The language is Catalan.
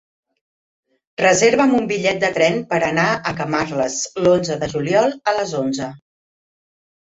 Reserva'm un bitllet de tren per anar a Camarles l'onze de juliol a les onze.